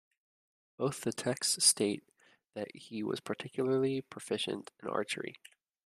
Both the texts state that he was particularly proficient in archery.